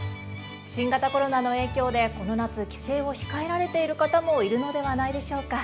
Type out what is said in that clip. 新型コロナの影響でこの夏帰省を控えられている方もいるのではないでしょうか？